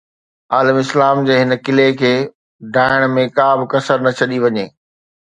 عالم اسلام جي هن قلعي کي ڊاهڻ ۾ ڪا به ڪسر نه ڇڏي وڃي